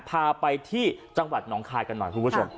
พาไปที่จังหวัดหนองคายกันหน่อย